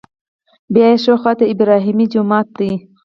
بیا ښي خوا ته ابراهیمي جومات دی.